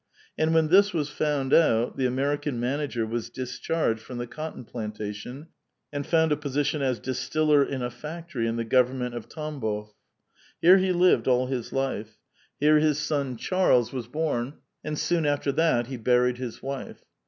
And when this was found out, the American manager was discharged from the cotton plantation, and found a position as distiller in a factory in the government of Tambof . Here he lived all his life ; here his son Chanes 424 A VITAL QUESTION. was born, and £Oon after that he buried his wife.